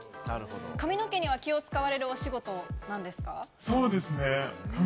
髪の毛には気を使われるお仕事なんですか？